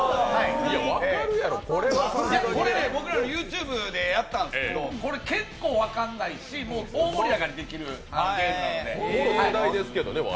分かるやろ、これはさすがに僕らのＹｏｕＴｕｂｅでやったんですけど、これ、結構分からないし、大盛りあがりできるゲームなので。